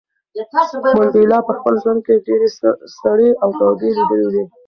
منډېلا په خپل ژوند کې ډېرې سړې او تودې لیدلې وې.